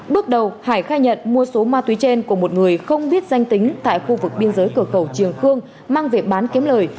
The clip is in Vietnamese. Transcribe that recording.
bước đầu hải khai nhận mua số ma túy trên của một người không biết danh tính tại khu vực biên giới cửa khẩu triềng khương mang về bán kiếm lời